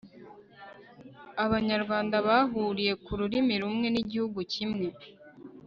abanyarwanda bahuriye ku rurimi rumwe n'igihugu kimwe